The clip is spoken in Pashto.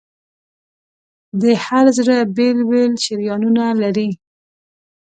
د هر زړه بېل بېل شریانونه لري.